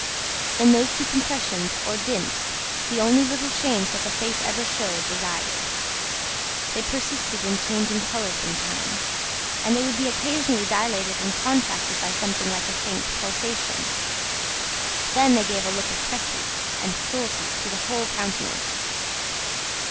In those two compressions, or dints, the only little change that the face ever showed, resided. They persisted in changing colour sometimes, and they would be occasionally dilated and contracted by something like a faint pulsation; then, they gave a look of treachery, and cruelty, to the whole countenance.